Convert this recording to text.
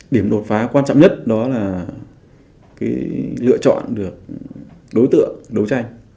điểm đột phá quan trọng nhất đó là lựa chọn được đối tượng đấu tranh